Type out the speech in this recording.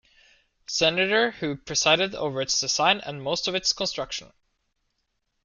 Senator who presided over its design and most of its construction.